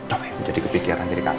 oke jadi kepikiran jadi kamu